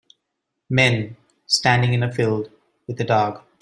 Men standing in a field with a dog.